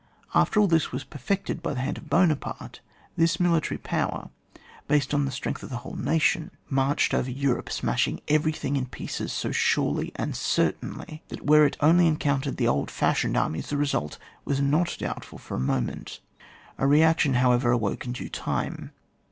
After all this was perfected by the hand of Buonaparte, this military power, based on the strength of the whole nation, CHAP, in.] OF TEE MA QNITUBE OF TEE OBJECT, ETC. 55 marched over Europe, Bmaahing eveiy thing in pieces so surely and certauily, that where it only encountered the old fashioned armies the result was not doubt ful for a moment. A re action, however, awoke in due time.